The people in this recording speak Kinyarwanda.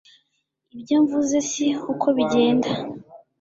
ibya mvuze si uko bigenda